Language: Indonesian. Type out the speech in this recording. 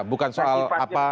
bukan soal apa